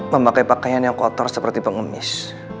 memakai pakaian yang kotor seperti pengemis